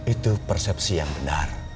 itu persepsi yang benar